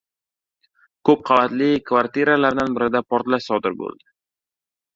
Ko‘p qavatli kvartiralardan birida portlash sodir bo‘ldi